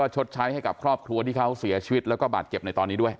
ชดใช้ให้กับครอบครัวที่เขาเสียชีวิตแล้วก็บาดเจ็บในตอนนี้ด้วย